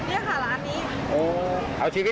ม่อแปงระเบิดใช่ไหม